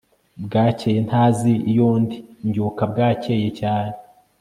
bwakeye ntazi iyo ndi mbyuka bwakeye cyane